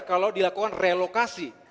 kalau dilakukan relokasi